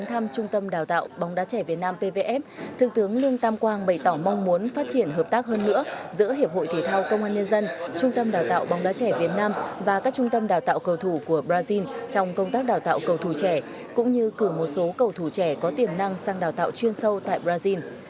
thương tướng lương tam quang bày tỏ mong muốn phát triển hợp tác hơn nữa giữa hiệp hội thế thao công an nhân dân trung tâm đào tạo bóng đá trẻ việt nam và các trung tâm đào tạo cầu thủ của brazil trong công tác đào tạo cầu thủ trẻ cũng như cử một số cầu thủ trẻ có tiềm năng sang đào tạo chuyên sâu tại brazil